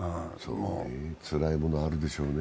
つらいものあるでしょうね。